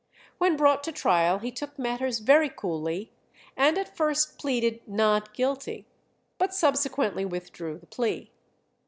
When brought to trial he took matters very coolly, and at first pleaded "Not Guilty," but subsequently withdrew the plea.